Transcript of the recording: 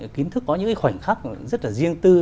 kiến thức có những khoảnh khắc rất là riêng tư